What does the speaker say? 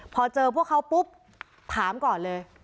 พอเจอพวกเขาปุ๊บถามก่อนเลย